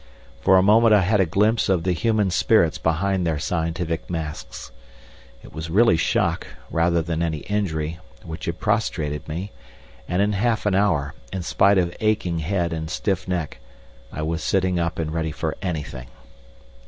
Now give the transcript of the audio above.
For a moment I had a glimpse of the human spirits behind their scientific masks. It was really shock, rather than any injury, which had prostrated me, and in half an hour, in spite of aching head and stiff neck, I was sitting up and ready for anything.